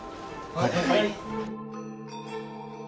はい。